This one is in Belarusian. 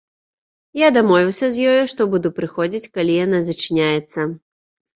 Я дамовіўся з ёю, што буду прыходзіць, калі яна зачыняецца.